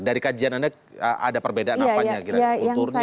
dari kajian anda ada perbedaan apanya